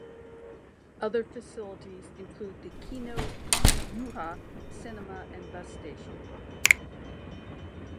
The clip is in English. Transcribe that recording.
Other facilities include the Kino Juha cinema and bus station.